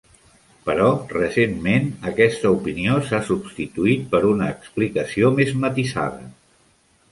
Però recentment, aquesta opinió s'ha substituït per una explicació més matisada.